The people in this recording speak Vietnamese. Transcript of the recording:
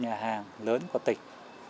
nhà hàng lớn của tỉnh